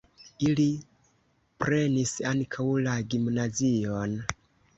Ili prenis ankaŭ la gimnazion.